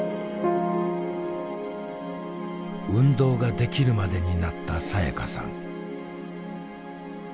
運動ができるまでになったさやかさん。